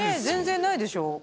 全然ないでしょ？